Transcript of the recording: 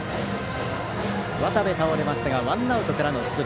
渡部倒れましたがワンアウトからの出塁。